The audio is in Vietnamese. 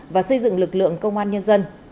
và xây dựng lực lượng công an nhân dân